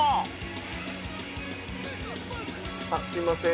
あっすみません